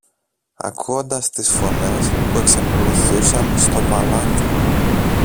ακούοντας τις φωνές που εξακολουθούσαν στο παλάτι.